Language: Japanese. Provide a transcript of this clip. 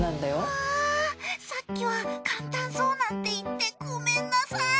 わぁさっきは簡単そうなんて言ってごめんなさい！